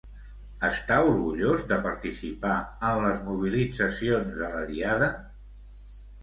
Està orgullós de participar en les mobilitzacions de la diada?